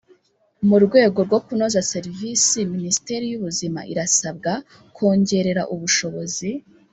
mu rwego rwo kunoza serivisi minisiteri y ubuzima irasabwa kongerera ubushobozi